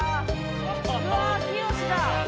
うわあきよしだ！